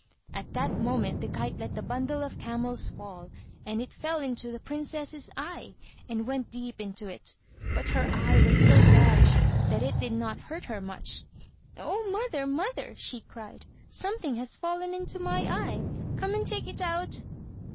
At that moment the kite let the bundle of camels fall, and it fell into the princess's eye, and went deep into it; but her eye was so large that it did not hurt her much. "Oh, mother! mother!" she cried, "something has fallen into my eye! come and take it out."